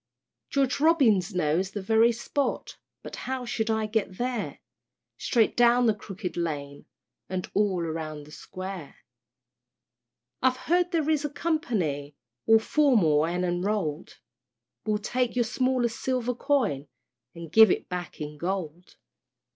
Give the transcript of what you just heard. George Robins knows the very spot, But how shall I get there? "Straight down the Crooked Lane, And all round the Square." I've heard there is a Company All formal and enroll'd, Will take your smallest silver coin And give it back in gold.